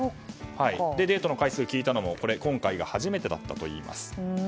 デートの回数を聞いたのも今回が初めてだったといいます。